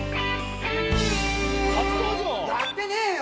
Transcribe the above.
やってねえよ。